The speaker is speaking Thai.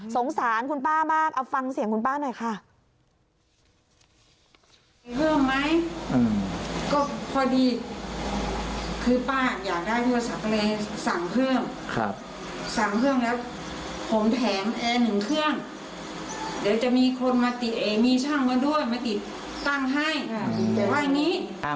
สงสารคุณป้ามากเอาฟังเสียงคุณป้าหน่อยค่ะ